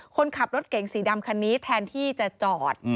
คนขับรถเก๋งสีดำคันนี้แทนที่จะจอด